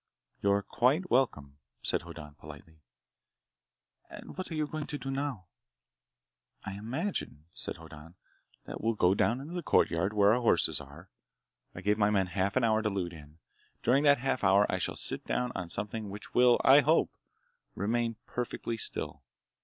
"You're quite welcome," said Hoddan politely. "And what are you going to do now?" "I imagine," said Hoddan, "that we'll go down into the courtyard where our horses are. I gave my men half an hour to loot in. During that half hour I shall sit down on something which will, I hope, remain perfectly still.